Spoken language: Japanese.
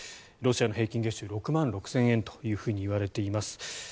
ロシアの平均月収６万６０００円と言われています。